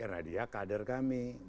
karena dia kader kami